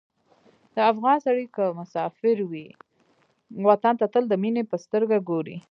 د افغان سړی که مسافر وي، وطن ته تل د مینې په سترګه ګوري.